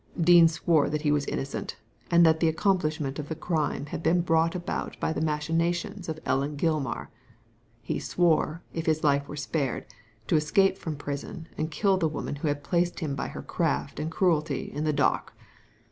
Dean swore that he was innocent, and that the accomplish ment of the crime had been brought about by the machinations of Ellen Gilmar. He swore, if his life were spared, to escape from prison and kill the woman who had placed him by her craft and cruelty in the dock.